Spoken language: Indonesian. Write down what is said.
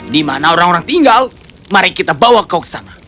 di mana orang orang tinggal mari kita bawa kau ke sana